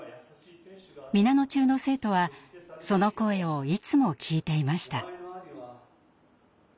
皆野中の生徒はその声をいつも聞いていました。